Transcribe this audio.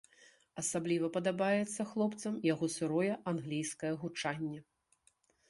Асабліва падабаецца хлопцам яго сырое англійскае гучанне.